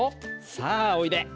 さあおいで！